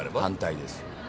反対です。